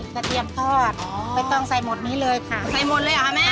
เทียมทอดอ๋อไม่ต้องใส่หมดนี้เลยค่ะใส่หมดเลยเหรอคะแม่